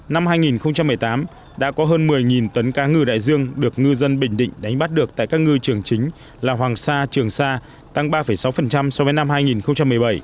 năm hai nghìn một mươi tám đã có hơn một mươi tấn cá ngừ đại dương được ngư dân bình định đánh bắt được tại các ngư trường chính là hoàng sa trường sa tăng ba sáu so với năm hai nghìn một mươi bảy